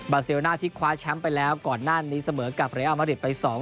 เซลน่าที่คว้าแชมป์ไปแล้วก่อนหน้านี้เสมอกับเรียอัมริตไปสอง